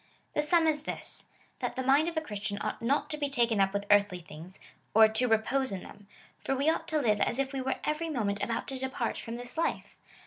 The sum is this, that the mind of a Christian ought not to be taken up with earthly things, or to repose in them ; for we ought to live as if we were every moment about to depart from this life.